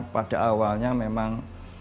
pada awalnya memang